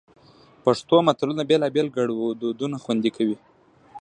پښتو متلونه بېلابېل ګړدودونه خوندي کوي